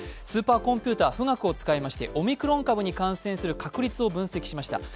スーパーコンピューター、富岳を使いまして、オミクロン株に感染する確率を分析しました。